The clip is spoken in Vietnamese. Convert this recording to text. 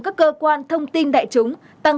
các cơ quan thông tin đại chúng tăng